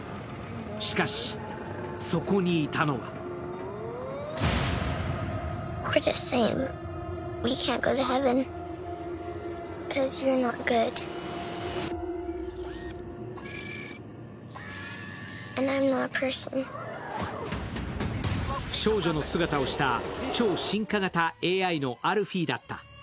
しかし、そこにいたのは少女の姿をした超進化型ＡＩのアルフィーだった。